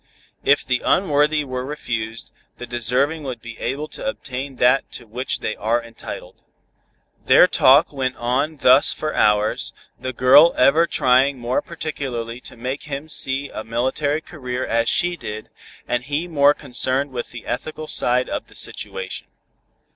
If the unworthy were refused, the deserving would be able to obtain that to which they are entitled." Their talk went on thus for hours, the girl ever trying more particularly to make him see a military career as she did, and he more concerned with the ethical side of the situation.